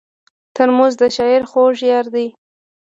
ترموز د شاعر خوږ یار دی.